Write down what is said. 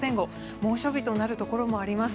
猛暑日となるところもあります。